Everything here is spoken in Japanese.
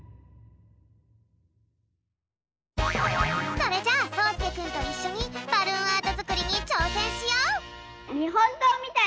それじゃあそうすけくんといっしょにバルーンアートづくりにちょうせんしよう！